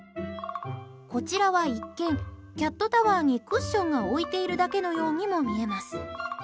こちらは一見キャットタワーにクッションが置いているだけのようにも見えます。